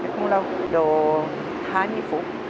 không lâu đồ hai mươi phút